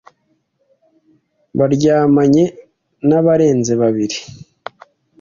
baryamanye n’ barenze babiri